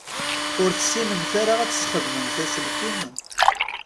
Ur tessinemt ara ad tesxedmemt aselkim?